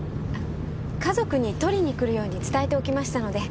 家族に取りに来るように伝えておきましたので。